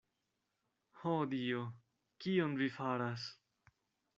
Ho, Dio! kion vi faras!